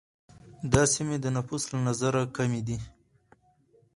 دا سیمې د نفوس له نظره کمي دي.